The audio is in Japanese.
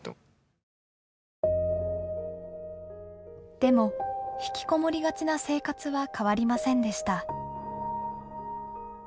でも引きこもりがちな生活は変わりませんでした。